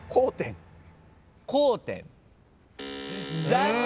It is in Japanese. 残念！